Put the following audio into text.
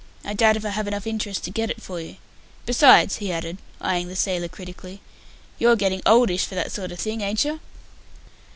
I doubt if I have enough interest to get it for you. Besides," he added, eyeing the sailor critically, "you are getting oldish for that sort of thing, ain't you?"